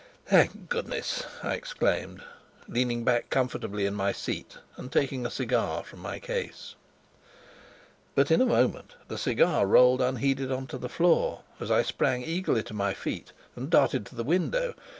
"Thank goodness!" I exclaimed, leaning back comfortably in my seat and taking a cigar from my case. But in a moment the cigar rolled unheeded on to the floor, as I sprang eagerly to my feet and darted to the window.